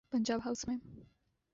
Punjab house میں۔